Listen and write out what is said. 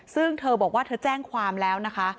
ซึ่งเธอบอกว่าเธอแจ้งความแล้วนะคะ